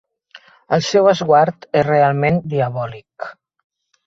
El seu esguard és realment diabòlic.